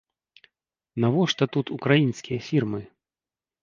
Навошта тут украінскія фірмы?